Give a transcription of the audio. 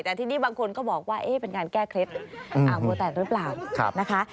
แต่ทีนี้บางคนก็บอกว่าเป็นการแก้เคล็ดอ่างมัวแตกหรือเปล่านะคะ